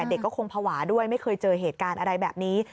เด็กก็คงภาวะด้วยไม่เคยเจอเหตุการณ์อะไรแบบนี้